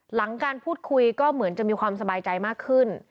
หลังการพูดคุยก็เหมือนจะมีความสบายใจมากขึ้น